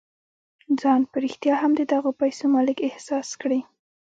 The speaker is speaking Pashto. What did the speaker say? ځان په رښتيا هم د دغو پيسو مالک احساس کړئ.